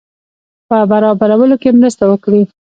په برابرولو کې مرسته وکړي.